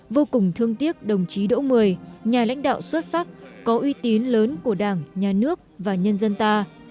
vô cùng thương tiếc đồng chí độ một mươi nhà lãnh đạo xuất sắc có uy tín lớn của đảng nhà nước và nhân dân ta